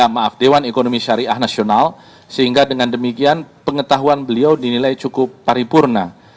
maaf dewan ekonomi syariah nasional sehingga dengan demikian pengetahuan beliau dinilai cukup paripurna